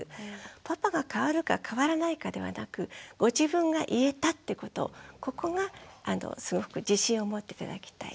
パパが変わるか変わらないかではなくご自分が言えたってことここがすごく自信を持って頂きたい。